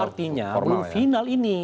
artinya belum final ini